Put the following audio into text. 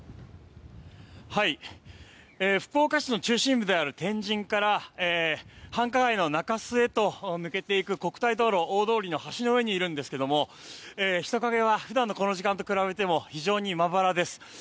福岡市の中心部である天神から繁華街の中洲へと抜けていく道路大通りの橋の上にいるんですが人影は普段のこの時間と比べてもまばらです。